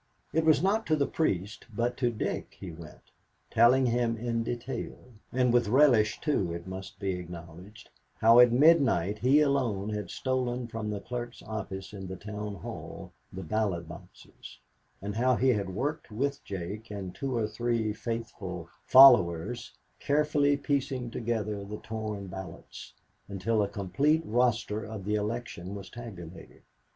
It was not to the priest, but to Dick, he went; telling him in detail, and with relish too, it must be acknowledged, how at midnight he alone had stolen from the clerk's office in the town hall the ballot boxes, and how he had worked with Jake and two or three faithful followers, carefully piecing together the torn ballots, until a complete roster of the election was tabulated.